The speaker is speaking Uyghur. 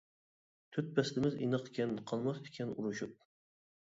تۆت پەسلىمىز ئىناقكەن، قالماس ئىكەن ئۇرۇشۇپ.